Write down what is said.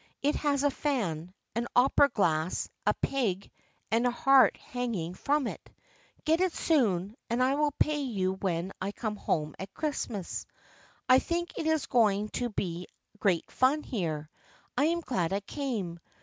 It has a fan, an opera glass, a pig and a heart hang ing from it. Get it soon, and I will pay you when I come home at Christmas. I think it is going to be great fun here. I am glad I came.